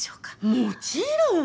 もちろん！